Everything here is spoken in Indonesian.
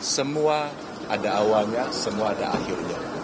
semua ada awalnya semua ada akhirnya